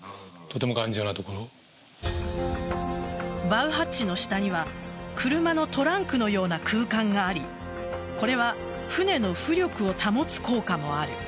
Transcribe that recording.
バウハッチの下には車のトランクのような空間がありこれは船の浮力を保つ効果もある。